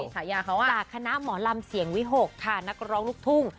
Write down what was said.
ฉายาเขาจากคณะหมอลำเสียงวิหกค่ะนักร้องลูกทุ่ง